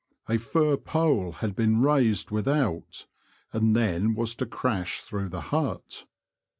A fir pole had been raised without, and then was to crash through the hut.